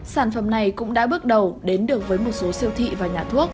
sản phẩm này cũng đã bước đầu đến được với một số siêu thị và nhà thuốc